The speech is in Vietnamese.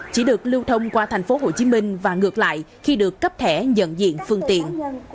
chỉ được lưu thông qua tp hcm và ngược lại khi được cấp thẻ nhận diện phương tiện